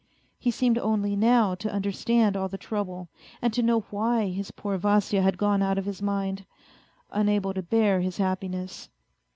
He seemed only now to under stand all the trouble, and to know why his poor Vasya had gone out of his mind, unable to bear his happiness.